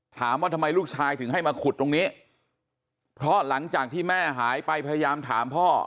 ถามว่าทำไมลูกชายถึงให้มาขุดตรงนี้เพราะหลังจากที่แม่หายไปพยายามถามพ่อ